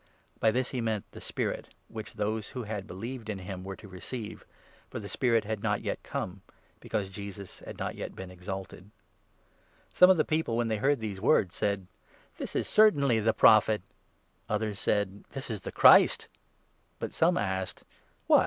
(By this he meant the Spirit, which those who had believed in 39 him were to receive ; for the Spirit had not yet come, because Jesus had not yet been exalted.) Some of the people, 40 when they heard these words, said :" This is certainly ' the Prophet '!"; others said :" This is 41 the Christ !"; but some asked :" What